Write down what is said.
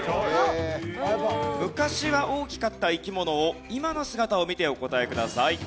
昔は大きかった生き物を今の姿を見てお答えください。